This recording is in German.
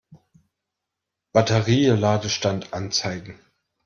Batterie-Ladestand anzeigen.